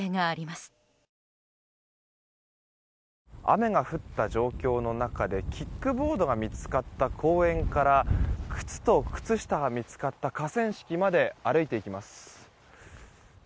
雨が降った状況の中でキックボードが見つかった公園から靴と靴下が見つかった河川敷まで歩いて行きます。